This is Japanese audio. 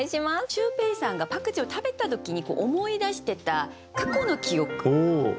シュウペイさんがパクチーを食べた時に思い出してた過去の記憶。